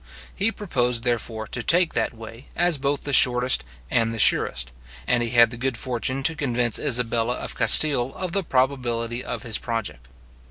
He proposed, therefore, to take that way, as both the shortest and the surest, and he had the good fortune to convince Isabella of Castile of the probability of his project.